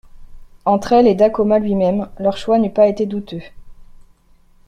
Entre elle et Dacoma lui-même, leur choix n'eût pas été douteux.